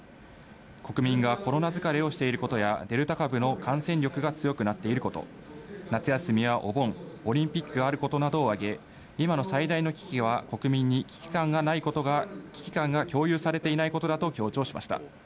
国民がコロナ疲れをしていることや、デルタ株の感染力が強くなっていること、夏休みやお盆、オリンピックがあることなどを挙げ、今の最大の危機は国民に危機感が共有されていないことだと強調しました。